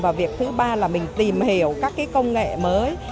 và việc thứ ba là mình tìm hiểu các công nghệ mới